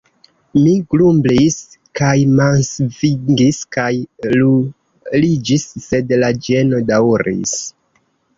Mi grumblis kaj mansvingis kaj ruliĝis sed la ĝeno daŭris.